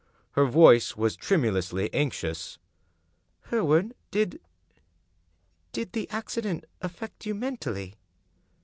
Her voice was tremulously anxious. " Hereward, did — did the accident affect you mentally?